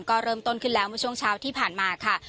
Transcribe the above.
ก็เริ่มต้นขึ้นแล้วเมื่อช่วงเช้าที่ผ่านมาค่ะ